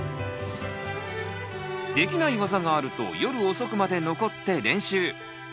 できない技があると夜遅くまで残って練習。